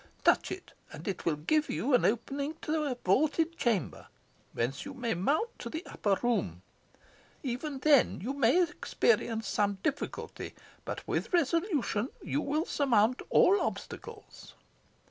Touch it, and it will give you an opening to a vaulted chamber, whence you can mount to the upper room. Even then you may experience some difficulty, but with resolution you will surmount all obstacles."